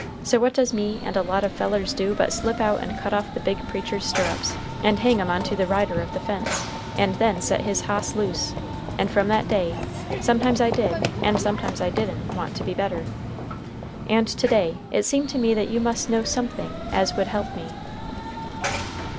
So what does me and a lot of fellers do but slip out and cut off the big preacher's stirrups, and hang 'em on to the rider of the fence, and then set his hoss loose! And from that day, sometimes I did, and sometimes I didn't, want to be better. And to day it seemed to me that you must know somethin' as would help me."